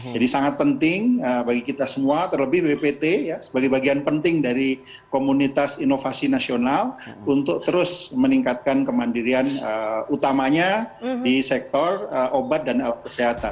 jadi sangat penting bagi kita semua terlebih bppt sebagai bagian penting dari komunitas inovasi nasional untuk terus meningkatkan kemandirian utamanya di sektor obat dan alat kesehatan